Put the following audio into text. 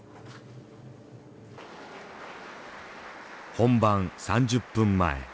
本番３０分前。